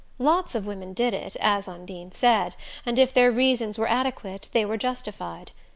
Lots of women did it, as Undine said, and if their reasons were adequate they were justified.